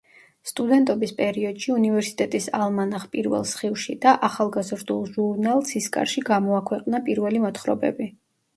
სტუდენტობის პერიოდში უნივერსიტეტის ალმანახ „პირველ სხივში“ და ახალგაზრდულ ჟურნალ „ცისკარში“ გამოაქვეყნა პირველი მოთხრობები.